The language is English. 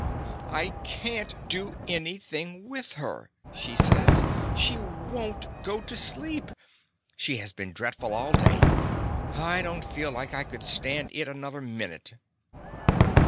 "I can't do anything with her," she says. "She won't go to sleep. She has been dreadful all day. I don't feel like I could stand it another minute."